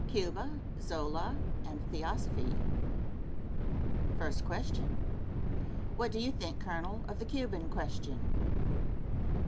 CUBA ZOLA AND THEOSOPHY. Question. What do you think, Colonel, of the Cuban question?